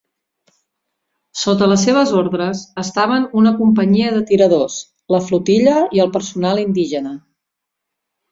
Sota les seves ordres estaven una companyia de tiradors, la flotilla i el personal indígena.